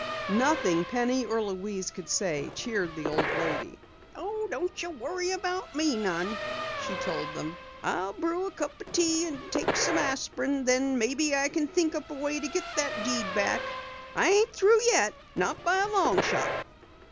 Nothing Penny or Louise could say cheered the old lady. "Don't you worry none about me," she told them. "I'll brew a cup o' tea and take some aspirin. Then maybe I kin think up a way to git that deed back. I ain't through yet not by a long shot!"